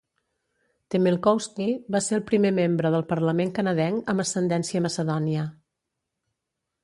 Temelkovski va ser el primer membre del parlament canadenc amb ascendència macedònia.